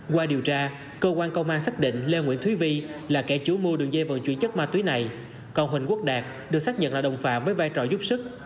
qua điều tra cơ quan công an xác định lê nguyễn thúy vi là kẻ chủ mua đường dây vận chuyển chất ma túy này còn huỳnh quốc đạt được xác nhận là đồng phạm với vai trò giúp sức